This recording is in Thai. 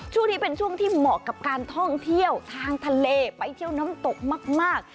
ช่วงนี้เป็นช่วงที่เหมาะกับการท่องเที่ยวทางทะเลไปเที่ยวน้ำตกมาก